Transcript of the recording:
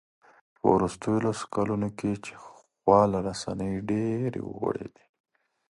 په وروستیو لسو کلونو کې چې خواله رسنۍ ډېرې وغوړېدې